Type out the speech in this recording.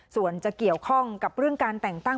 ส่วนจะเกี่ยวข้องกับเรื่องการแต่งตั้ง